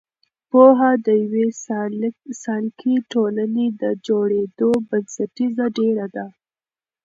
پوهه د یوې سالکې ټولنې د جوړېدو بنسټیزه ډبره ده.